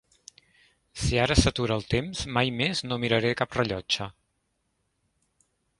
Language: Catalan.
Si ara s'atura el temps mai més no miraré cap rellotge.